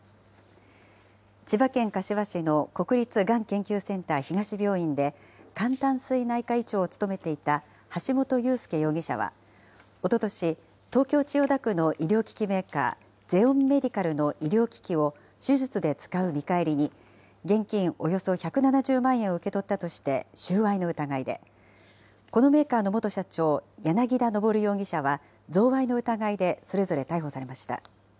千葉県柏市の国立がん研究センター東病院で、肝胆膵内科医長を務めていた橋本裕輔容疑者はおととし、東京・千代田区の医療機器メーカー、ゼオンメディカルの医療機器を手術で使う見返りに、現金およそ１７０万円を受け取ったとして収賄の疑いで、このメーカーの元社長、柳田昇容疑者は贈賄の疑いでそれぞれ逮捕されました。